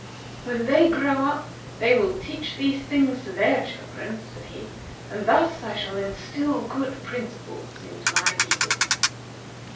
"When they grow up they will teach these things to their children," said he; "and thus I shall instil good principles into my people."